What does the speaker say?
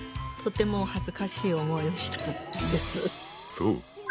そう。